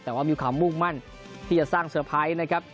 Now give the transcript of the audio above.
แต่ว่ามีความมุ่งมั่นที่จะสร้างเซอร์ไพรส์นะครับ